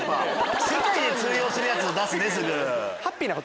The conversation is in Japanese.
世界で通用するやつを出すね。